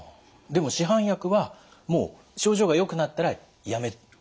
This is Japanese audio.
でも市販薬はもう症状がよくなったらやめる？